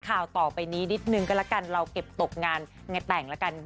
ข่าวต่อไปนี้นิดนึงก็แล้วกันเราเก็บตกงานไงแต่งแล้วกัน